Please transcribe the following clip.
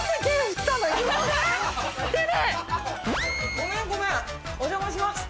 ごめんごめんおじゃまします。